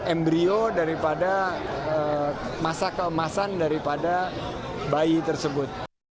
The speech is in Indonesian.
embryo daripada masa keemasan daripada bayi tersebut